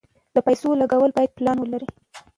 د پیسو لګول باید پلان ولري.